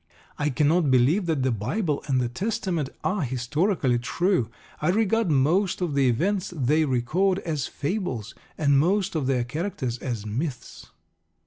I cannot believe that the Bible and the Testament are historically true. I regard most of the events they record as fables, and most of their characters as myths.